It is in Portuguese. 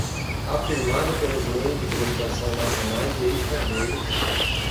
Afirmado pelos meios de comunicação nacionais e estrangeiros